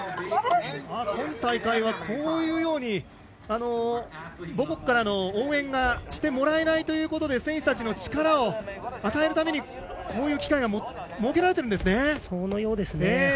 今大会は、母国からの応援をしてもらえないということで選手たちに力を与えるためこういう機会が設けられているんですね。